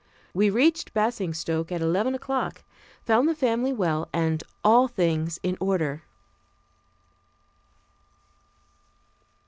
We reached Basingstoke at eleven o'clock, found the family well and all things in order.